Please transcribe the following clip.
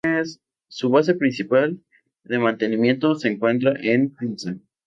Su base principal de mantenimiento se encuentra en Tulsa.